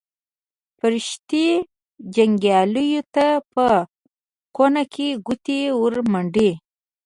فرښتې جنګیالیو ته په کونه کې ګوتې ورمنډي.